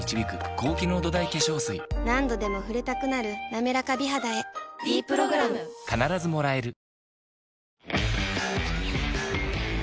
何度でも触れたくなる「なめらか美肌」へ「ｄプログラム」向井？